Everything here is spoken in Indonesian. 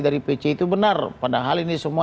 dari pc itu benar padahal ini semua